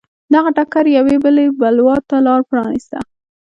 دغه ټکر یوې بلې بلوا ته لار پرانېسته.